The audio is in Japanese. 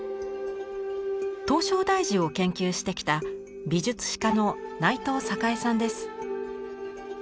唐招提寺を研究してきた美術史家の内藤栄さんです。